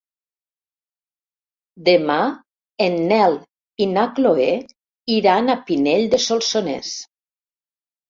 Demà en Nel i na Chloé iran a Pinell de Solsonès.